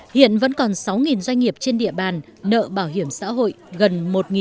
hiện vẫn còn sáu doanh nghiệp trên địa bàn nợ bảo hiểm xã hội gần một